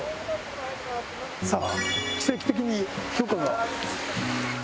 さあ奇跡的に許可が。